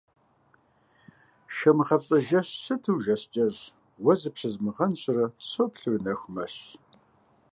Шэмыгъапцӏэ жэщ, сыту ужэщ кӏэщӏ, уэ зыпщызмыгъэнщӏурэ, соплъурэ нэху мэщ.